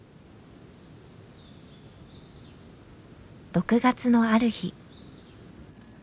６月のある日。